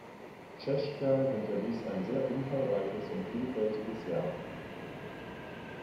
Czeschka hinterließ ein sehr umfangreiches und vielfältiges Werk.